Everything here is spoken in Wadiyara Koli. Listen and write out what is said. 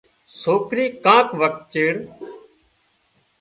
سوڪري ڪانڪ وکت چيڙ